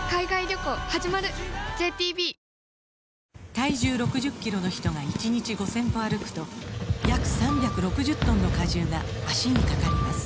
体重６０キロの人が１日５０００歩歩くと約３６０トンの荷重が脚にかかります